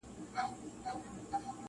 لا تر څو به دي قسمت په غشیو ولي -